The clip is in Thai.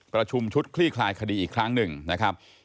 ประชุมชุดคลี่คลายคดีอีกครั้งหนึ่งนะครับ